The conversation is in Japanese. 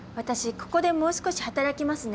ここでもう少し働きますね。